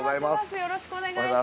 よろしくお願いします。